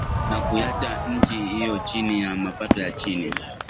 Na kuiacha nchi hiyo chini ya mapato ya chini.